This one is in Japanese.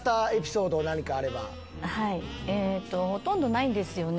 ほとんどないんですよね